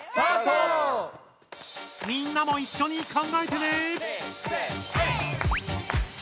みんなもいっしょに考えてね！